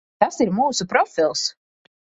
Tas ir mūsu profils.